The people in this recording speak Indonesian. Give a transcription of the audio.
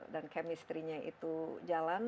dan chemistrynya itu jalan